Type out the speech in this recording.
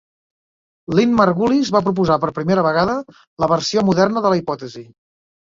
Lynn Margulis va proposar per primera vegada la versió moderna de la hipòtesi.